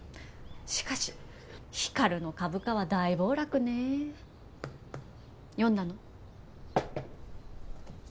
しかし光琉の株価は大暴落ね読んだの？